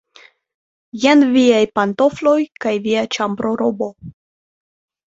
Jen viaj pantofloj kaj via ĉambrorobo.